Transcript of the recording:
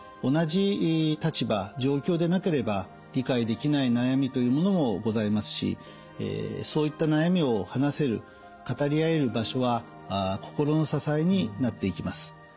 同じ立場状況でなければ理解できない悩みというものもございますしそういった悩みを話せる語り合える場所は心の支えになっていきます。